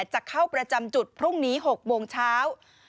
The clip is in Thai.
จะเข้าประจำจุดพรุ่งนี้๖โมงเช้า